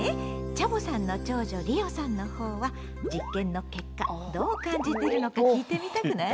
チャボさんの長女りおさんのほうは実験の結果どう感じてるのか聞いてみたくない？